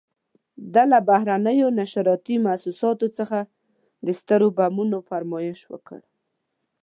ده له بهرنیو نشراتي موسساتو څخه د سترو بمونو فرمایش وکړ.